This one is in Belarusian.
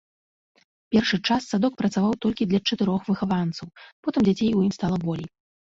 Першы час садок працаваў толькі для чатырох выхаванцаў, потым дзяцей у ім стала болей.